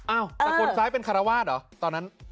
อ้าวแต่คนซ้ายเป็นคารวาสเหรอตอนนั้น